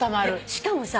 しかもさ